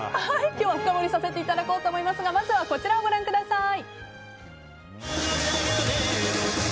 今日は深掘りさせていただこうと思いますがまずはこちらをご覧ください。